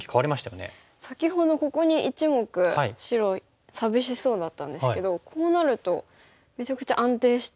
先ほどここに１目白寂しそうだったんですけどこうなるとめちゃくちゃ安定して。